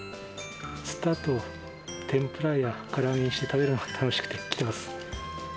釣ったあと、天ぷらやから揚げにして食べるのが楽しくて来てます。